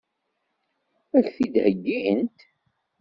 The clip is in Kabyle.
Ad k-t-id-heggint?